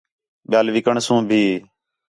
ٻِیال وِکݨ سوں بھی